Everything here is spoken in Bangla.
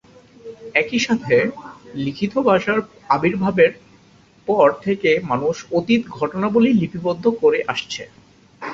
একই সাথে, লিখিত ভাষার আবির্ভাবের পর থেকে মানুষ অতীত ঘটনাবলী লিপিবদ্ধ করে আসছে।